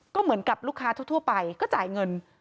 ก็เหมือนกับลูกค้าทั่วไปก็จ่ายเงิน